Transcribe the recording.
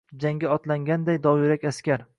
Jangga otlanganday dovyurak askar